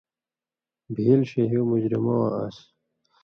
بھېل ݜے ہیُو مجرمہ واں آن٘س۔